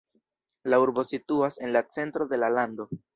La urbo situas en la centro de la lando.